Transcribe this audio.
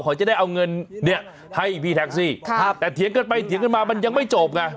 เขาจะได้เอาเงินเนี่ยให้พี่แท็กซี่ครับแต่เถียงกันไปเถียงกันมามันยังไม่จบไง